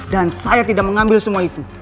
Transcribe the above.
dan saya tidak mengambil semua itu